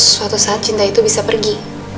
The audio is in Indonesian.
suatu saat cinta itu bisa pergi